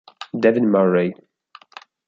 David Murray